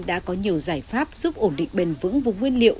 đã có nhiều giải pháp giúp ổn định bền vững vùng nguyên liệu